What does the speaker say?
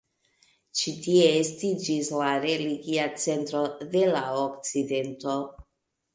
Ĉi tie estiĝis la religia centro de la okcidento.